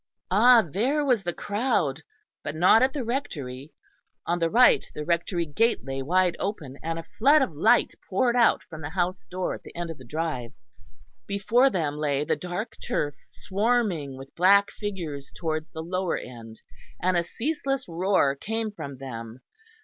Ah! there was the crowd; but not at the Rectory. On the right the Rectory gate lay wide open, and a flood of light poured out from the house door at the end of the drive. Before them lay the dark turf, swarming with black figures towards the lower end; and a ceaseless roar came from them.